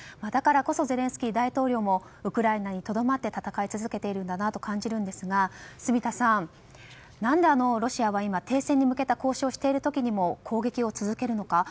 だからこそゼレンスキー大統領もウクライナにとどまって戦い続けているんだなと感じるんですが住田さん、何でロシアは停戦に向けた交渉をしている時にも攻撃を続けるのか